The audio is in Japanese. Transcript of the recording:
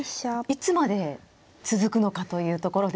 いつまで続くのかというところですよね。